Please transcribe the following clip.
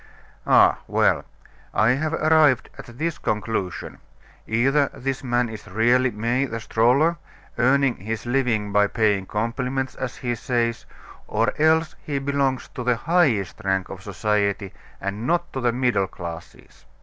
"Ah, well! I have arrived at this conclusion either this man is really May, the stroller, earning his living by paying compliments, as he says or else he belongs to the highest rank of society, and not to the middle classes.